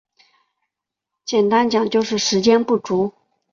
简单讲就是时间不足